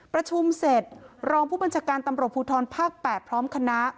ประชุมเสร็จรองผู้บัญชาการตำรวจภูทรภาค๘พร้อมคณะ